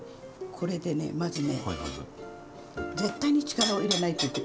これでねまずね絶対に力を入れないということね。